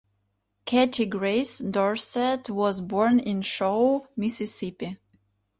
Katie Grays Dorsett was born in Shaw, Mississippi.